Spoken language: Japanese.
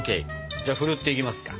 じゃあふるっていきますか。